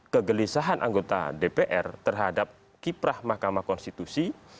kegelisahan anggota dpr terhadap kiprah mahkamah konstitusi